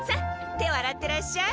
手を洗ってらっしゃい。